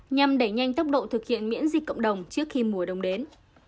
nhằm đẩy nhanh tốc độ thực hiện miễn dịch cộng đồng trước khi mùa đông đến